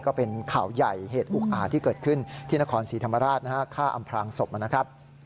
ก็เป็นข่าวใหญ่เหตุอุกอาจที่เกิดขึ้นที่นครศรีธรรมราชฆ่าอำพลางศพนะครับ